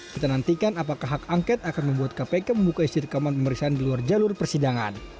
kita nantikan apakah hak angket akan membuat kpk membuka isi rekaman pemeriksaan di luar jalur persidangan